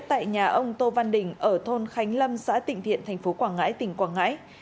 tại nhà ông tô văn đình ở thôn khánh lâm xã tịnh thiện thành phố quảng ngãi tỉnh quảng ngãi